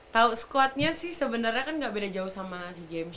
tau squadnya sih sebenernya kan gak beda jauh sama si games